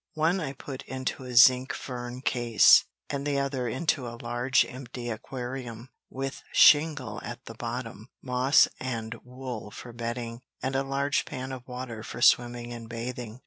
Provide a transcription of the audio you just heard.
One I put into a zinc fern case, and the other into a large empty aquarium, with shingle at the bottom, moss and wool for bedding, and a large pan of water for swimming and bathing.